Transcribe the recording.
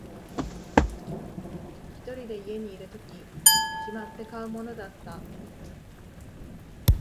一人で家にいるとき、決まって買うものだった。